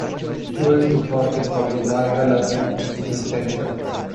Tours departing from the Whyalla Visitors Centre.